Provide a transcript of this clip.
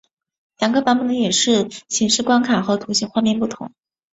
两个版本的演示显示关卡和图形画面不同。